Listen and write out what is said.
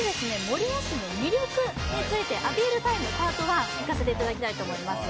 守谷市の魅力についてアピールタイムパート１いかせていただきたいと思います